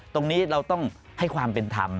ตรงนี้เราต้องให้ความเป็นธรรม